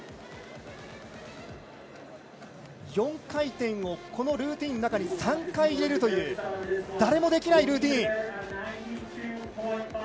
４回転をこのルーティンの中に３回入れるという誰もできないルーティン。